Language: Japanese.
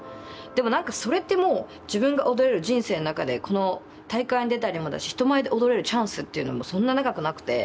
でも何かそれってもう自分が踊れる人生の中でこの大会に出たりもだし人前で踊れるチャンスっていうのもそんな長くなくて。